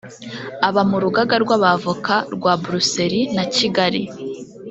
Aba mu Rugaga rw’Abavoka rwa Bruxelles na Kigali